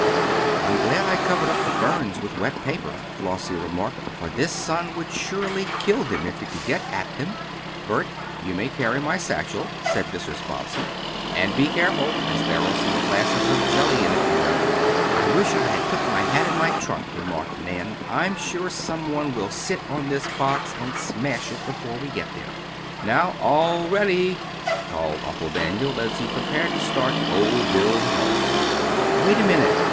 "I'm glad I covered up the ferns with wet paper," Flossie remarked, "for this sun would surely kill them if it could get at them." "Bert, you may carry my satchel," said Mrs. Bobbsey, "and be careful, as there are some glasses of jelly in it, you know." "I wish I had put my hat in my trunk," remarked Nan. "I'm sure someone will sit on this box and smash it before we get there." "Now, all ready!" called Uncle Daniel, as he prepared to start old Bill, the horse. "Wait a minute!"